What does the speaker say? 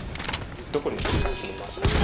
どこにするか決めましたね。